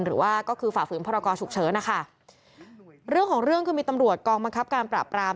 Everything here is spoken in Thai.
หรือว่าก็คือฝ่าฝืนพรกรฉุกเฉินนะคะเรื่องของเรื่องคือมีตำรวจกองบังคับการปราบราม